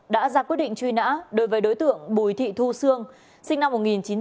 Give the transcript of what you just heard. đã ra quyết định truy nã đối với đối tượng bùi thị thu sương sinh năm một nghìn chín trăm tám mươi